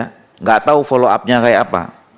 tidak tahu follow upnya seperti apa